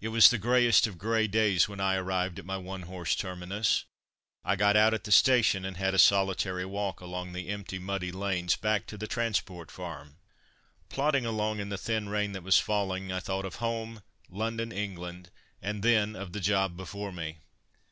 It was the greyest of grey days when I arrived at my one horse terminus. I got out at the "station," and had a solitary walk along the empty, muddy lanes, back to the Transport Farm. Plodding along in the thin rain that was falling I thought of home, London, England, and then of the job before me.